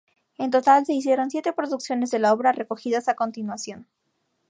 En total se hicieron siete producciones de la obra, recogidas a continuación.